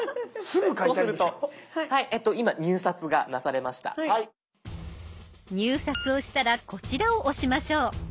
入札をしたらこちらを押しましょう。